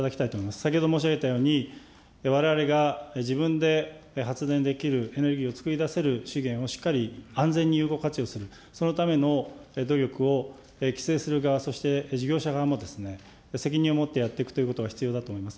先ほど申し上げたように、われわれが自分で発電できる、エネルギーを作り出せる資源をしっかり安全に有効活用する、そのための努力を規制する側、そして事業者側もですね、責任を持ってやっていくということが必要だと思います。